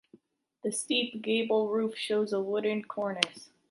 The steep gable roof shows a wooden cornice.